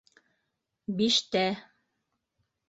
- Биштә.